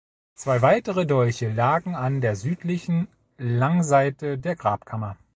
Zwei weitere Dolche lagen an der südlichen Langseite der Grabkammer.